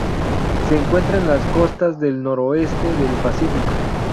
Se encuentra en las costas del noroeste del Pacífico.